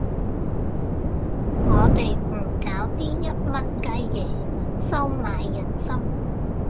我哋唔搞啲一蚊雞嘢收買人心